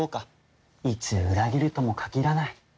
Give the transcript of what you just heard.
いつ裏切るとも限らない。